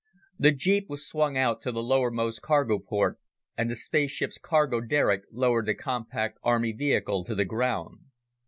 The jeep was swung out to the lowermost cargo port, and the spaceship's cargo derrick lowered the compact army vehicle to the ground.